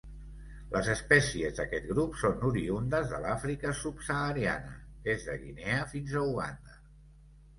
Les espècies d'aquest grup són oriündes de l'Àfrica subsahariana, des de Guinea fins a Uganda.